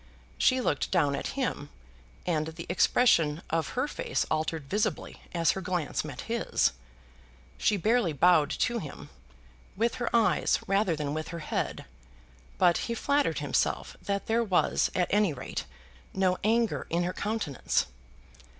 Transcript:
She looked down at him, and the expression of her face altered visibly as her glance met his. She barely bowed to him, with her eyes rather than with her head, but he flattered himself that there was, at any rate, no anger in her countenance.